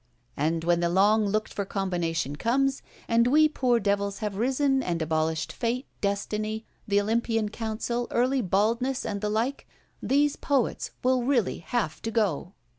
But when the long looked for combination comes, and we poor devils have risen and abolished fate, destiny, the Olympian Council, early baldness, and the like, these poets will really have to go.